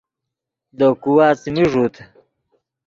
دے کھوا څیمی ݱوت